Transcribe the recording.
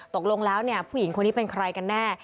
ตกลงแล้วผู้หญิงคนนี้เป็นใครกันแน่